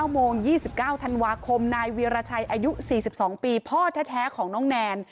๙โมง๒๙ธันวาคมนายเวียรชัยอายุ๔๒ปีพ่อแท้ของน้องแนน